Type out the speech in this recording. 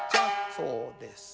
そうです。